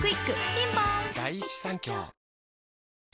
ピンポーン